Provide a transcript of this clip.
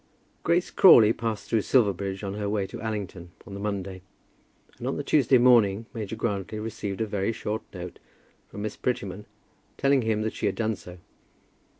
Grace Crawley passed through Silverbridge on her way to Allington on the Monday, and on the Tuesday morning Major Grantly received a very short note from Miss Prettyman, telling him that she had done so.